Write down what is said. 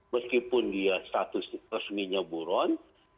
meskipun dia status resminya buron